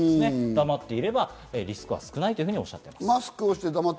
黙っていればリスクは少ないとおっしゃっています。